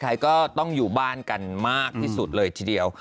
ไทยก็ต้องอยู่บ้านกันมากที่สุดเลยทีเดียว